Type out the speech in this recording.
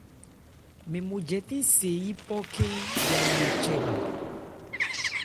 Mɛn mo jɛtɛ̂n se yípɔ khɛ́n Yayó chɛ bha.